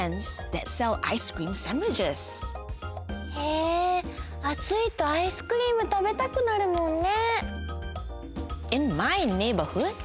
へえあついとアイスクリームたべたくなるもんね。